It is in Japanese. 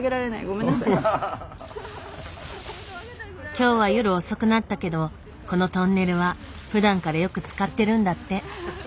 今日は夜遅くなったけどこのトンネルはふだんからよく使ってるんだって。